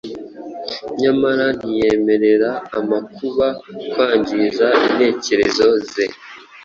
nyamara ntiyemerera amakuba kwangiza intekerezo ze